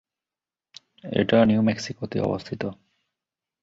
এটি নিউ মেক্সিকোতে অবস্থিত।